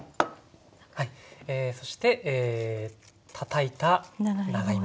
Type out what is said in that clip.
はいそしてたたいた長芋。